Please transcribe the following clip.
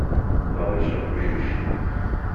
Habe ich noch Milch?